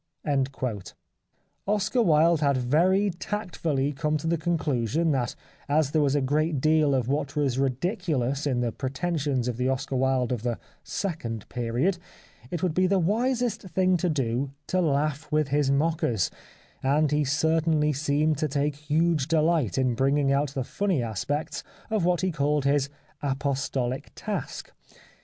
Oscar Wilde had very tactfully come to the conclusion that as there was a great deal of what was ridiculous in the pretentions of the Oscar Wilde of the " second period," it would be the wisest thing to do, to laugh with his mockers, and he certainly seemed to take huge delight in bringing out the funny aspects of what he called his " apostolic task."